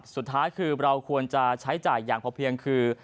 สุดท้ายคือเราควรจะใช้จ่ายอย่างพอเพียงคือ